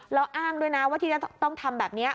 แล้วอ้างด้วยนะว่าที่จะต้องทำแบบนี้